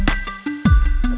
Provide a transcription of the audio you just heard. gak ada yang nungguin